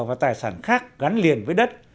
và tài sản khác gắn liền với đất